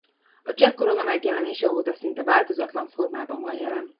A cseh korona megjelenése óta szinte változatlan formában van jelen.